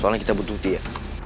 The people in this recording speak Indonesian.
soalnya kita butuh dia